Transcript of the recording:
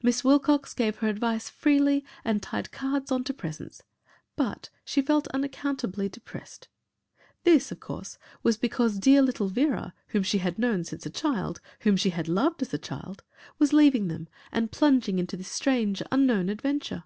Miss Wilcox gave her advice freely and tied cards on to presents but she felt unaccountably depressed. This, of course, was because dear little Vera whom she had known since a child, whom she had loved as a child, was leaving them and plunging into this strange, unknown adventure.